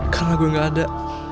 karena gue gak ada